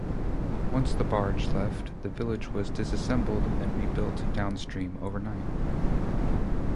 Once the barge left, the village was disassembled, then rebuilt downstream overnight.